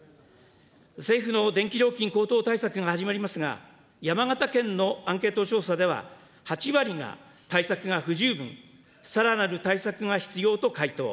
政府の電気料金高騰対策が始まりますが、山形県のアンケート調査では、８割が対策が不十分、さらなる対策が必要と回答。